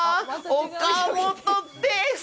岡本です！